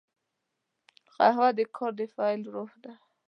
قهوه د کار د پیل روح ده